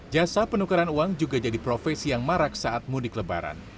jasa penukaran uang juga jadi profesi yang marak saat mudik lebaran